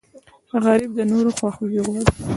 غریب د نورو خواخوږی غواړي